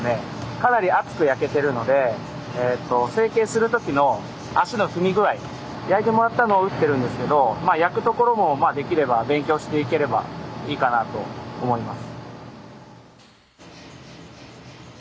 かなり熱く焼けてるのでえと成形する時の足の踏み具合焼いてもらったのを打ってるんですけどまあ焼くところもできれば勉強していければいいかなと思います。